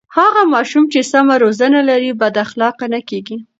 هغه ماشوم چې سمه روزنه لري بد اخلاقه نه کېږي.